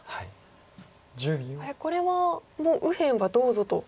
これはもう右辺はどうぞと。